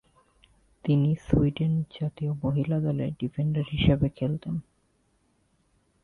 তিনি সুইডেন জাতীয় মহিলা দলে ডিফেন্ডার হিসেবে খেলতেন।